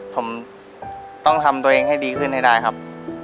ผมต้องทำตัวเองให้ดีขึ้นให้ได้ครับ